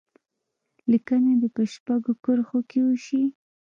لیکنه دې په شپږو کرښو کې وشي.